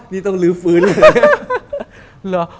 นี่ต้องลื้อฟื้นเลย